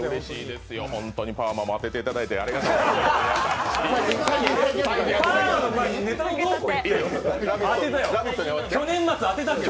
パーマも当てていただいてありがとうございます。